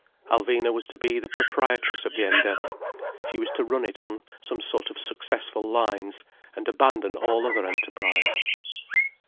Alvina was to be the proprietress of the Endeavour, she was to run it on some sort of successful lines, and abandon all other enterprise.